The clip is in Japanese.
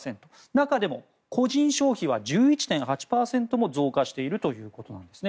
中でも個人消費は１１．８％も増加しているということなんですね。